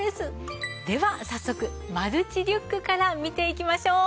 では早速マルチリュックから見ていきましょう。